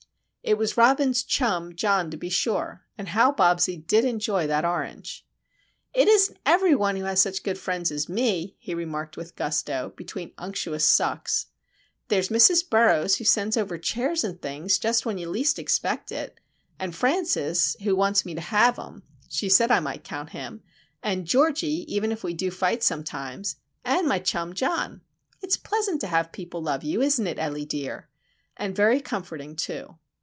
It was Robin's "chum" John, to be sure,—and how Bobsie did enjoy that orange! "It isn't everybody who has such good friends as me," he remarked with gusto, between unctuous sucks. "There's Mrs. Burroughs, who sends over chairs an' things just when you least expect it; and Francis, who wants me to have 'em (she said I might count him); an' Georgie, even if we do fight sometimes; an' my chum John. It's pleasant to have people love you, isn't it, Ellie dear?—and very comforting, too."